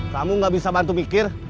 kamu gak bisa bantu mikir